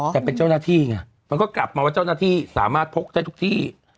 แต่เป็นเจ้าหน้าที่ไงมันก็กลับมาว่าเจ้าหน้าที่สามารถพกได้ทุกที่